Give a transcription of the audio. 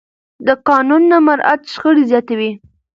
د قانون نه مراعت شخړې زیاتوي